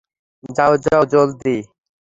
যাও, যাও জলদি।